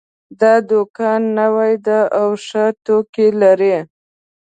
دا دوکان نوی ده او ښه توکي لري